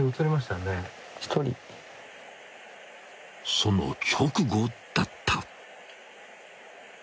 ［その直後だった］